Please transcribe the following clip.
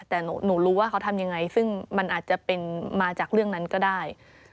แต่หนูรู้ว่าเขาทำยังไงซึ่งมันอาจจะเป็นมาจากเรื่องนั้นก็ได้